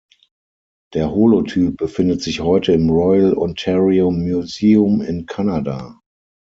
Der Holotyp befindet sich heute im Royal Ontario Museum in Kanada.